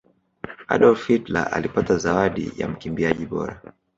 adolf hitler alipata zawadi ya mkimbiaji bora